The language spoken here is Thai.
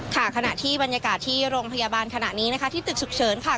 ขณะที่บรรยากาศที่โรงพยาบาลขณะนี้นะคะที่ตึกฉุกเฉินค่ะ